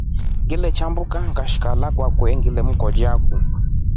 Ngiletambuka ngashika hala kwake kwete ngilemkolia foo.